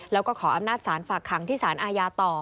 แล้วก็ขออำนาจศาลฝากขังที่สารอาญาต่อ